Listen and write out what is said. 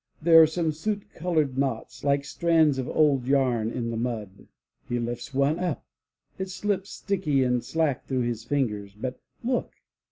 There are some soot colored knots like strands of old yam in the mud. He lifts one up. It slips sticky and slack through his fingers, but look!